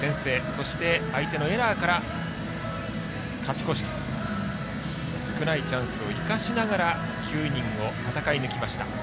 そして、相手のエラーから勝ち越しと少ないチャンスを生かしながら９イニングを戦い抜きました。